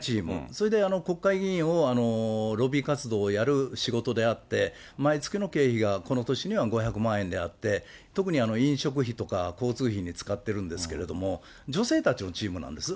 それで国会議員を、ロビー活動をやる仕事であって、毎月の経費がこの年には５００万円であって、特に飲食費とか、交通費に使っているんですけれども、女性たちのチームなんです。